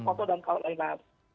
foto dan kaut lainnya